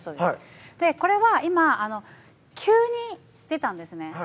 これは今急に出たんですね。